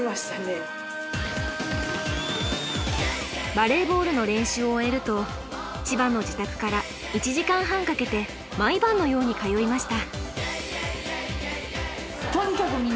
バレーボールの練習を終えると千葉の自宅から１時間半かけて毎晩のように通いました。